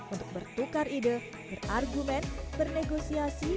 untuk bertukar ide berargumen bernegosiasi